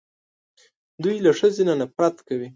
دوی له ښځې نه نفرت کوي